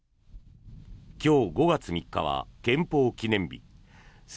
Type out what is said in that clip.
今日、５月３日は憲法記念日。